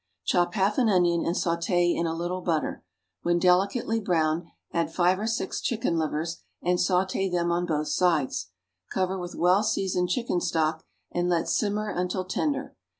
= Chop half an onion and sauté in a little butter; when delicately browned, add five or six chicken livers and sauté them on both sides. Cover with well seasoned chicken stock and let simmer until tender.